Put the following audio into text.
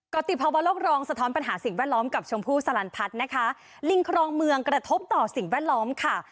กรติภาวะโลกรองสะท้อนปัญหาสิ่งแวดล้อมกับชมพู่สลันพัฒน์นะคะลิงครองเมืองกระทบต่อสิ่งแวดล้อมค่ะ